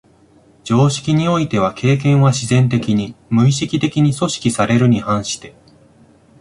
常識においては経験は自然的に、無意識的に組織されるに反して、